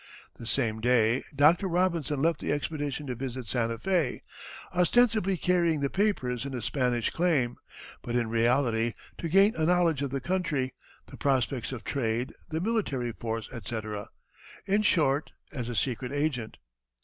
The same day Dr. Robinson left the expedition to visit Santa Fé, ostensibly carrying the papers in a Spanish claim, but in reality to gain a knowledge of the country, the prospects of trade, the military force, etc. in short, as a secret agent.